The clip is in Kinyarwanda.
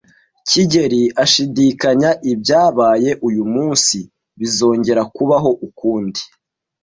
kigeli ashidikanya ibyabaye uyu munsi bizongera kubaho ukundi.